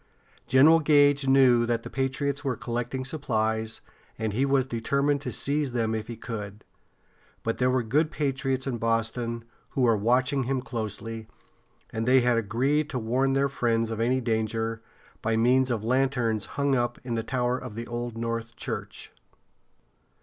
General Gage knew that the patriots were collecting supplies, and he was determined to seize them if he could. But there were good patriots in Boston who were watching him closely, and they had agreed to warn their friends of any danger, by means of lanterns hung up in the tower of the Old North Church.